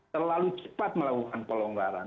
terlalu cepat melakukan pelonggaran